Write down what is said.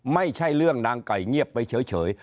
ไม่ใช่เรื่องนางไก่เงียบไปเฉย